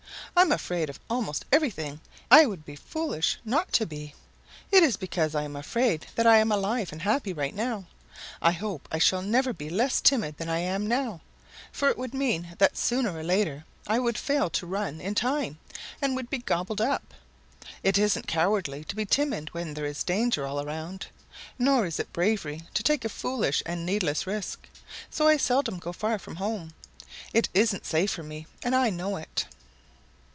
I'm afraid of almost everything. I would be foolish not to be. It is because I am afraid that I am alive and happy right now. I hope I shall never be less timid than I am now, for it would mean that sooner or later I would fail to run in time and would be gobbled up. It isn't cowardly to be timid when there is danger all around. Nor is it bravery to take a foolish and needless risk. So I seldom go far from home. It isn't safe for me, and I know it."